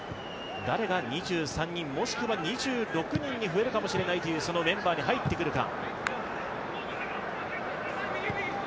誰が２３人、もしくは２６人に増えるかもしれないというそのメンバーに入ってくるか。